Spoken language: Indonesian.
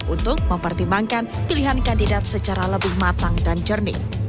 untuk mempertimbangkan pilihan kandidat secara lebih matang dan jernih